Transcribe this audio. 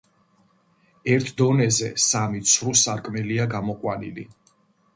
ერთ დონეზე, სამი ცრუ სარკმელია გამოყვანილი.